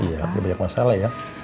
iya banyak masalah ya